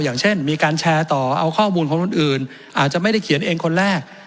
อย่างเช่นมีการแชร์ต่อเอาข้อมูลของคนอื่นอาจจะไม่ได้เขียนเองคนแรก